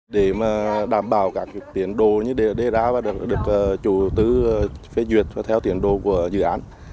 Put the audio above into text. để đảm bảo các tiến đồ như đã đề ra và được chủ tư phê duyệt theo tiến độ của dự án